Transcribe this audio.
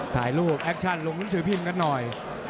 ถ่ายรูปแอคชั่นลงหนังสือพิมพ์กันหน่อย